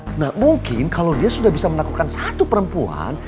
tidak mungkin kalau dia sudah bisa melakukan satu perempuan